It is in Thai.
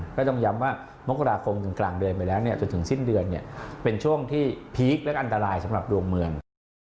ก็ต้องย้ำว่ามกราคมถึงกลางเดือนไปแล้วจนถึงสิ้นเดือนเนี่ยเป็นช่วงที่พีคและอันตรายสำหรับดวงเมือง